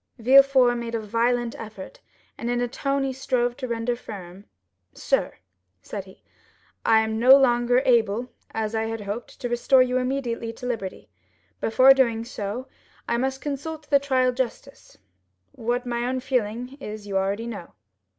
Villefort made a violent effort, and in a tone he strove to render firm: "Sir," said he, "I am no longer able, as I had hoped, to restore you immediately to liberty; before doing so, I must consult the trial justice; what my own feeling is you already know."